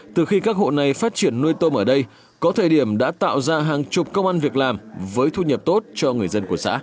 từ khi các hộ này phát triển nuôi tôm ở đây có thời điểm đã tạo ra hàng chục công an việc làm với thu nhập tốt cho người dân của xã